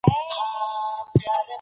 موږ باید تل نوې پوهه ترلاسه کړو.